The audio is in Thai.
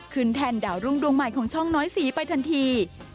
แทนดาวรุ่งดวงใหม่ของช่องน้อยสีไปทันที